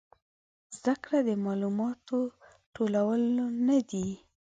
زده کړه د معلوماتو ټولول نه دي